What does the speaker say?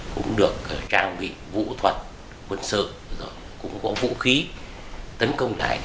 cũng được trang bị vũ thuật quân sự rồi cũng có vũ khí tấn công này